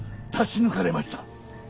出し抜かれました。